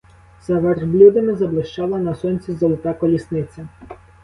За верблюдами заблищала на сонці золота колісниця.